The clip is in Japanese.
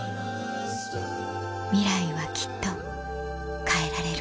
ミライはきっと変えられる